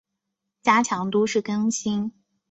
加强都市更新